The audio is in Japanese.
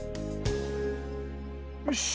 よし。